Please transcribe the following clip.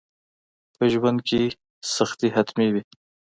په ژوند کي سختي حتمي وي.